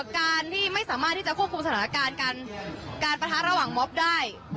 การที่ไม่สามารถที่จะควบคุมสถานการณ์การปะทะระหว่างม็อบได้